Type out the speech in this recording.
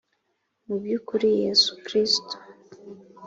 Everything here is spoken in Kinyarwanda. Mu by ukuri yesu kristo